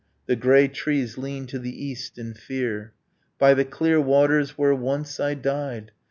The grey trees lean to the east in fear. 'By the clear waters where once I died